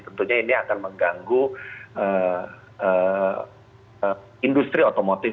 tentunya ini akan mengganggu industri otomotif